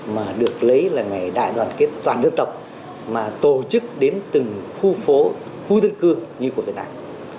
mà được lấy là ngày đại đoàn kết toàn dân tộc mà tổ chức đến từng khu phố khu dân cư như của việt nam